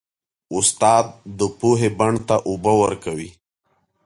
استاد د پوهې بڼ ته اوبه ورکوي.